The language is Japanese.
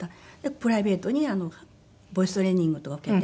プライベートにボイストレーニングとか受けて。